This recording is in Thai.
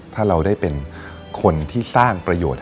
ถ้าเราได้เป็นคนที่สร้างประโยชน์